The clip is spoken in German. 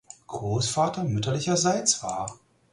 Großvater mütterlicherseits war.